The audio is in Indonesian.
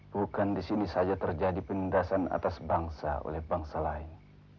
bukan di sini saja terjadi penindasan atas bangsa oleh bangsa lain